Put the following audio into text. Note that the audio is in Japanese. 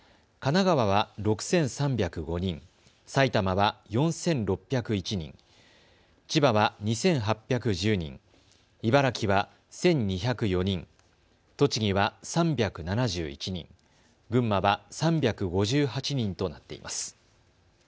神奈川は６３０５人、埼玉は４６０１人、千葉は２８１０人、茨城は１２０４人、栃木は３７１人、群馬は３５８人となっています。